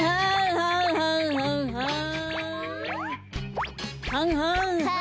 はんはんはんはん。